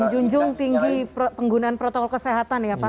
menjunjung tinggi penggunaan protokol kesehatan ya pak